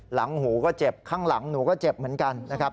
หลังหูก็เจ็บข้างหลังหนูก็เจ็บเหมือนกันนะครับ